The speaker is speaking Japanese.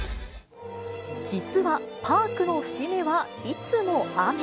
実は、パークの節目はいつも雨。